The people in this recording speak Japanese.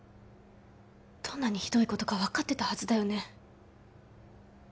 どんなにひどいことか分かってたはずだよね？